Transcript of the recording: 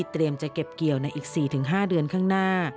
จะเก็บเกี่ยวในอีก๔๕เดือนข้างหน้า